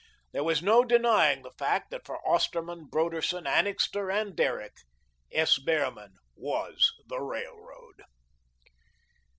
There was no denying the fact that for Osterman, Broderson, Annixter and Derrick, S. Behrman was the railroad.